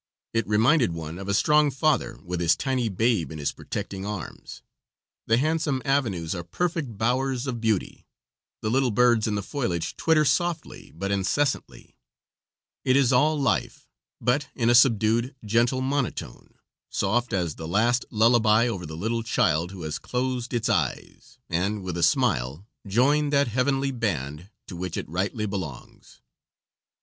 It reminded one of a strong father with his tiny babe in his protecting arms; the handsome avenues are perfect bowers of beauty; the little birds in the foliage twitter softly but incessantly. It is all life, but in a subdued, gentle monotone, soft as the last lullaby over the little child who has closed its eyes and, with a smile, joined that heavenly band to which it rightly belongs.